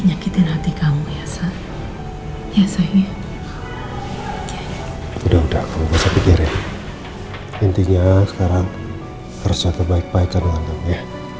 nyakitin hati kamu ya ya saya udah udah pikir intinya sekarang harus coba ikan ya